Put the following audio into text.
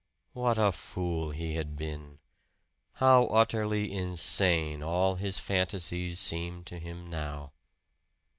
What a fool he had been! How utterly insane all his fantasies seemed to him now!